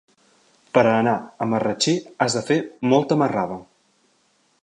Per anar a Marratxí has de fer molta marrada.